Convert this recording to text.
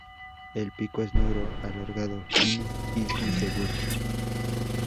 El pico es negro, alargado, fino y puntiagudo.